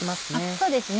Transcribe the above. そうですね